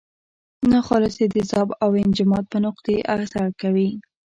ناخالصې د ذوب او انجماد په نقطې اثر کوي.